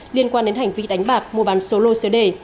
liên quan đến hành vi đánh bạc mua bán số lô số đề